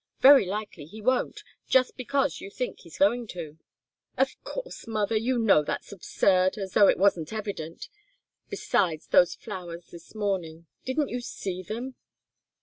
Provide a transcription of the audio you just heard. Very likely he won't, just because you think he's going to." "Of course, mother, you know that's absurd! As though it wasn't evident besides, those flowers this morning. Didn't you see them?"